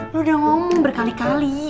lo udah ngomong berkali kali